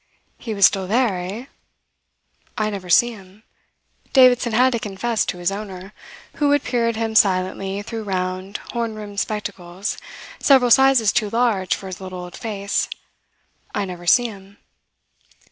He was still there, eh? "I never see him," Davidson had to confess to his owner, who would peer at him silently through round, horn rimmed spectacles, several sizes too large for his little old face. "I never see him."